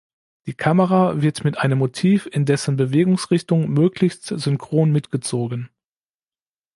Die Kamera wird mit einem Motiv in dessen Bewegungsrichtung möglichst synchron mitgezogen.